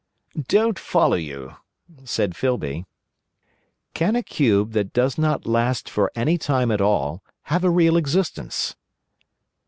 "Don't follow you," said Filby. "Can a cube that does not last for any time at all, have a real existence?"